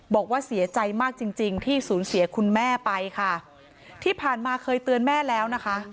บอกว่าเสียใจมากจริงจริงที่สูญเสียคุณแม่ไปค่ะที่ผ่านมาเคยเตือนแม่แล้วนะคะ